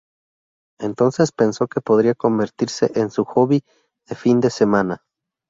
Entonces pensó que podría convertirse en su hobby de fin de semana.